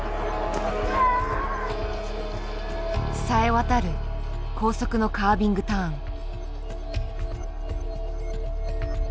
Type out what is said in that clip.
さえ渡る高速のカービングターン。